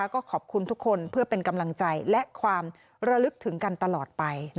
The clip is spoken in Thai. ก็ขอบคุณทุกคนเพื่อเป็นกำลังใจและความระลึกถึงกันตลอดไป